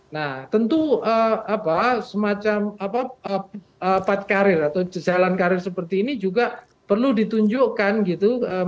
nah tentu semacam pad karir atau jalan karir seperti ini juga perlu ditunjukkan gitu